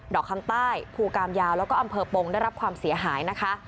อกคำใต้ภูกามยาวแล้วก็อำเภอปงได้รับความเสียหายนะคะ